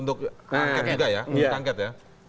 untuk angket ya